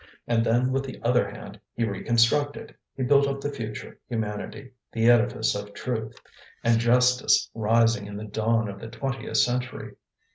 And then with the other hand he reconstructed; he built up the future humanity, the edifice of truth and justice rising in the dawn of the twentieth century.